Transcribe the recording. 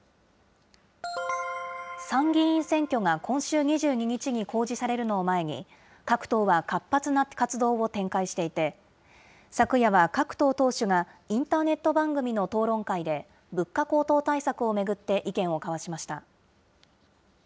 参議院選挙が今週２２日に公示されるのを前に、各党は活発な活動を展開していて、昨夜は各党党首がインターネット番組の討論会で、物価高騰対策を巡って意見を交わしました。